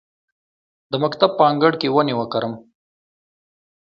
د مکتب په انګړ کې ونې وکرم؟